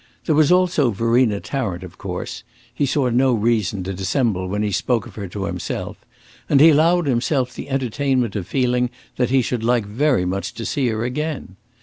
There was also Verena Tarrant, of course; he saw no reason to dissemble when he spoke of her to himself, and he allowed himself the entertainment of feeling that he should like very much to see her again.